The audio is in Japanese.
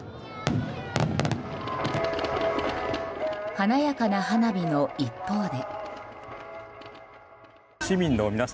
華やかな花火の一方で。